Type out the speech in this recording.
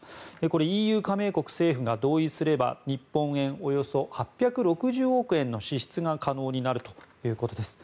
これ、ＥＵ加盟国政府が同意すれば日本円でおよそ８６０億円の支出が可能になるということです。